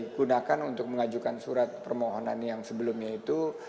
yang digunakan untuk mengajukan surat permohonan yang sebelumnya itu